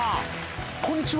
こんにちは。